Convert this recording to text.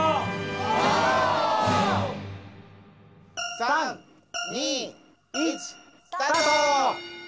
３２１スタート！